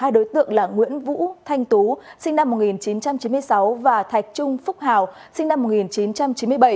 hai đối tượng là nguyễn vũ thanh tú sinh năm một nghìn chín trăm chín mươi sáu và thạch trung phúc hào sinh năm một nghìn chín trăm chín mươi bảy